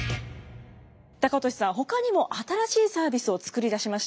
高利さんほかにも新しいサービスを作り出しました。